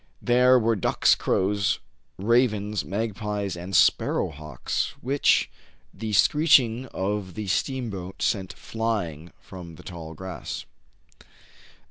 There were ducks, crows, ravens, magpies, and sparrow hawks, which the screeching of the steam boat sent flying from the tall grass.